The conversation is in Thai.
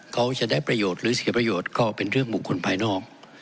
เขาจะได้ประโยชน์หรือเสียประโยชน์ก็เป็นเรื่องบุคคลภายนอก